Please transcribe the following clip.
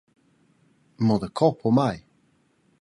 Mo daco pomai?